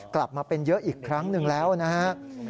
กลับมาเป็นเยอะอีกครั้งหนึ่งแล้วนะครับ